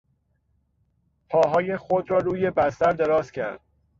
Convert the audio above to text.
پاهای خود را روی بستر دراز کرد.